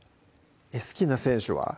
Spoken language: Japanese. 好きな選手は？